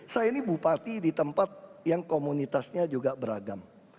saya ini bupati di tempat yang komunitasnya juga beragam